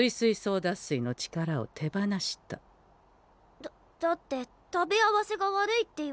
だだって食べ合わせが悪いって言われたんだもん。